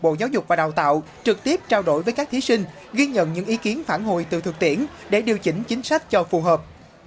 bộ giáo dục và đào tạo trực tiếp trao đổi với các thí sinh ghi nhận những ý kiến phản hồi từ thực tiễn để điều chỉnh chính sách cho phù hợp